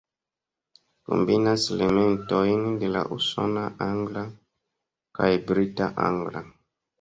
Kombinas elementojn de la usona angla kaj brita angla.